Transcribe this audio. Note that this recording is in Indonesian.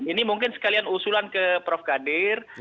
ini mungkin sekalian usulan ke prof kadir